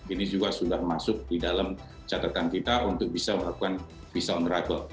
ini juga sudah masuk di dalam catatan kita untuk bisa melakukan visa on arrival